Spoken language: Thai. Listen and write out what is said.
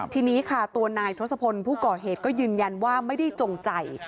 ทีนี้ค่ะตัวนายทศพลผู้ก่อเหตุก็ยืนยันว่าไม่ได้จงใจ